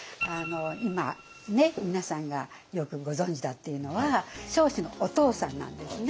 今皆さんがよくご存じだっていうのは彰子のお父さんなんですね。